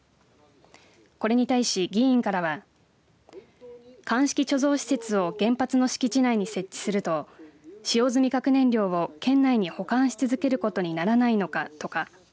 これに対し、議員からは乾式貯蔵施設を原発の敷地内に設置すると使用済み核燃料を県内に保管し続けることにならないのかとか